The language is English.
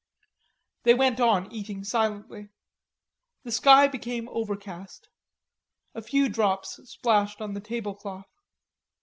They went on eating silently. The sky became overcast. A few drops splashed on the table cloth.